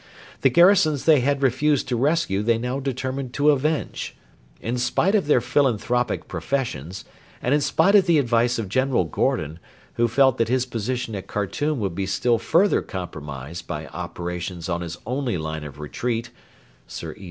The garrisons they had refused to rescue they now determined to avenge. In spite of their philanthropic professions, and in spite of the advice of General Gordon, who felt that his position at Khartoum would be still further compromised by operations on his only line of retreat [Sir E.